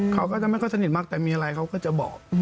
เขาก็จะไม่ค่อยสนิทมากแต่มีอะไรเขาก็จะบอก